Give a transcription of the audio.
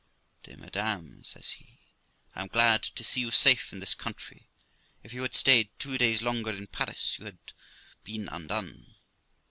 'Dear Madam ', says he, 'I am glad to see you safe in this country; if you had stayed two days longer in Paris you had been undone.'